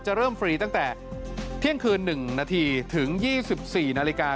เริ่มฟรีตั้งแต่เที่ยงคืน๑นาทีถึง๒๔นาฬิกา